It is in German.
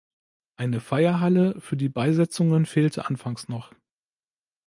Eine Feierhalle für die Beisetzungen fehlte anfangs noch.